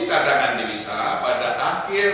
cadangan divisa pada akhir